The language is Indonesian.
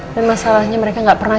dan masalahnya mereka gak pernah